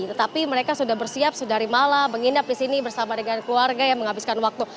tetapi mereka sudah bersiap sedari malah menginap di sini bersama dengan keluarga yang menghabiskan waktu